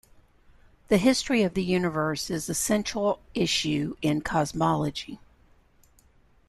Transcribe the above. The history of the universe is a central issue in cosmology.